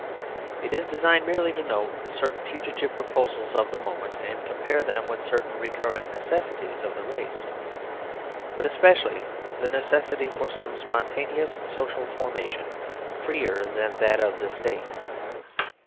It is designed merely to note certain fugitive proposals of the moment, and compare them with certain re current necessities of the race; but especially the necessity for some spontaneous social for mation freer than that of the state.